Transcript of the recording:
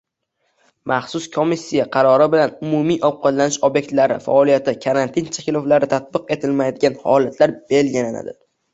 Maxsus komissiya qarori bilan umumiy ovqatlanish obyektlari faoliyatiga karantin cheklovlari tatbiq etilmaydigan holatlar belgilandi